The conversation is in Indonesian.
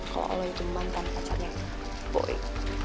kalau allah itu mantan pacarnya boy